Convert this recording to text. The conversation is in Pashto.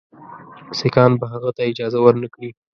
سیکهان به هغه ته اجازه ورنه کړي.